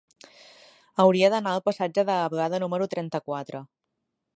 Hauria d'anar al passatge de la Blada número trenta-quatre.